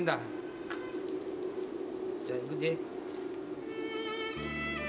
じゃあ行くで。